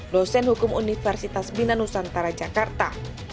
dosen hukum universitas binnanusantara jakarta